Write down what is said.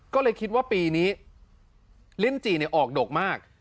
ก็เลยคิดว่าปีนี้ลิ้นจี่ออกดกมาก